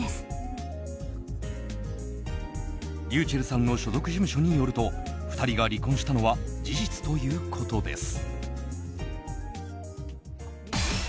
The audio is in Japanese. ｒｙｕｃｈｅｌｌさんの所属事務所によると２人が離婚したのは事実ということです。